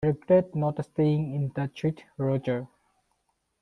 I regret not staying in touch with Roger.